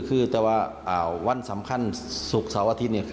คือแต่ว่าวันสำคัญศุกร์เสาร์อาทิตย์เนี่ย